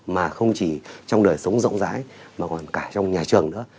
mà không chỉ trong đời sống rộng rãi mà còn cả trong nhà trường nữa